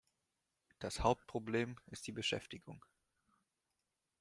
Das Hauptproblem ist die Beschäftigung.